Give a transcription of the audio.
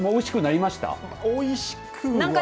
おいしくは。